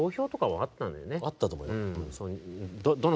あったと思うよ。